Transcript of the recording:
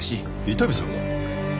伊丹さんが？